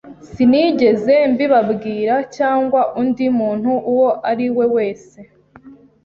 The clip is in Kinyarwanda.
Sinigeze mbibabwira cyangwa undi muntu uwo ari we wese.